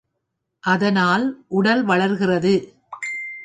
அதனால் உடல் வளர்கிறது.